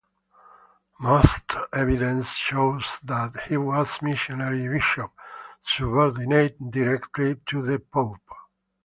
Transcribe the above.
Most evidence shows that he was missionary bishop subordinate directly to the Pope.